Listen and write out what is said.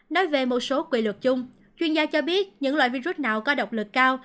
nói về một số quy luật chung chuyên gia cho biết những loại virus nào có độc lực cao